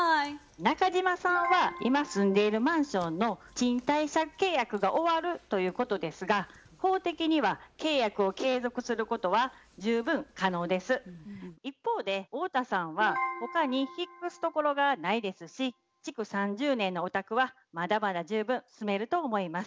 中島さんは今住んでいるマンションの賃貸借契約が終わるということですが一方で太田さんは他に引っ越すところがないですし築３０年のお宅はまだまだ十分住めると思います。